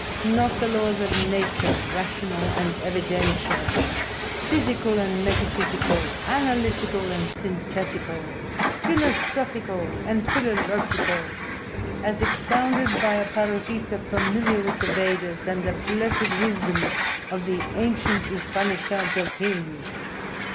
Not the laws of nature, rational and evidential, physical and metaphysical, analytical and synthetical, philosophical, and philological, as expounded by a Parohita familiar with the Vedas and the blessed wisdom of the ancient Upanishads of Hind!"